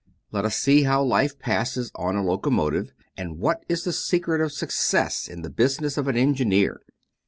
Let us see how life passes on a locomotive, and what is the secret of success in the business of an engineer.